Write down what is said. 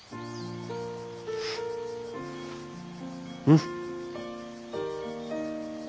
うん。